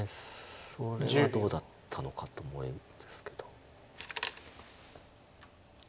それはどうだったのかと思うんですけど。